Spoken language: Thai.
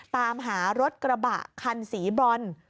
ตามหารถกระบะคันสีบรอน